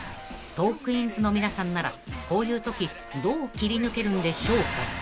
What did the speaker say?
［トークィーンズの皆さんならこういうときどう切り抜けるんでしょうか］